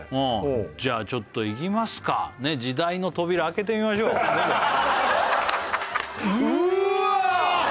じゃあちょっと行きますか時代の扉開けてみましょうどうぞうーわっ！